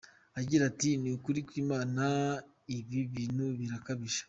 Agira ati “Ni ukuri kw’Imana ibi bintu birakabije.